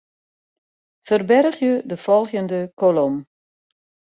Ferbergje de folgjende kolom.